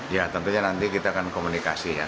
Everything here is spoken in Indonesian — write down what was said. ya tentunya nanti kita akan komunikasi ya